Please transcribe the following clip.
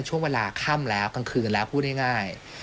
ช่วงเวลาค่ำแล้วกลางคืนแล้วพูดง่าย